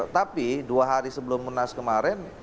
tapi dua hari sebelum munas kemarin